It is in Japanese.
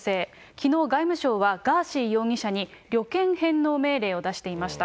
きのう外務省は、ガーシー容疑者に旅券返納命令を出していました。